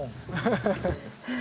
ハハハッ。